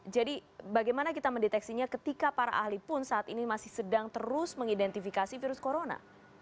jadi bagaimana kita mendeteksinya ketika para ahli pun saat ini masih sedang terus mengidentifikasi virus corona